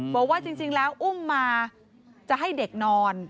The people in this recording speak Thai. บอกว่าจริงแล้วอุ้มมาจะให้เด็กนอน